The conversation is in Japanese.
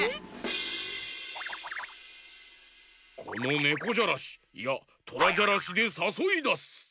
このねこじゃらしいやトラじゃらしでさそいだす！